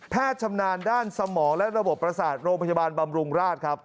ชำนาญด้านสมองและระบบประสาทโรงพยาบาลบำรุงราชครับ